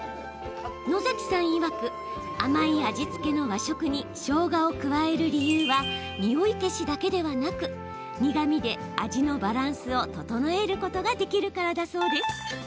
野さんいわく甘い味付けの和食にしょうがを加える理由はにおい消しだけではなく苦みで味のバランスをととのえることができるからだそうです。